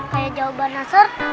kayak jawaban naser